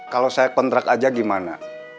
kalau saya kontrak aja gimana